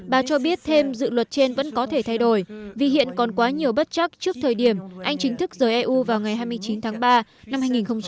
bà cho biết thêm dự luật trên vẫn có thể thay đổi vì hiện còn quá nhiều bất chắc trước thời điểm anh chính thức rời eu vào ngày hai mươi chín tháng ba năm hai nghìn hai mươi